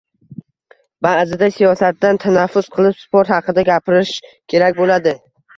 Ba'zida siyosatdan tanaffus qilib, sport haqida gapirish kerak bo'ladi